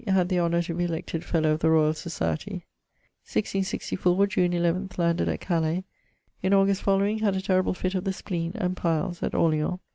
had the honour to be elected fellow of the Royal Society. 1664: June 11, landed at Calais. In August following, had a terrible fit of the spleen, and piles, at Orleans.